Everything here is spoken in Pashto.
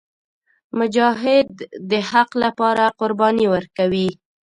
مجاهد د حق لپاره قرباني ورکوي.